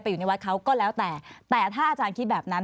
อยู่ในวัดเขาก็แล้วแต่แต่ถ้าอาจารย์คิดแบบนั้น